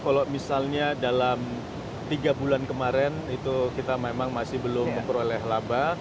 kalau misalnya dalam tiga bulan kemarin itu kita memang masih belum memperoleh laba